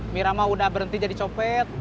mira mah udah berhenti jadi copet